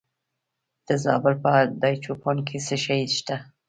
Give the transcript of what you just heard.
د زابل په دایچوپان کې څه شی شته؟